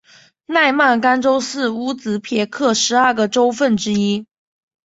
纳曼干州是乌兹别克十二个州份之一。